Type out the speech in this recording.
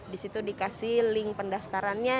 di situ dikasih link pendaftarannya